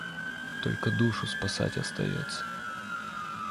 Только душу спасать остается.